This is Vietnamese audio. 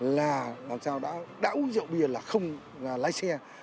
làm sao đã uống rượu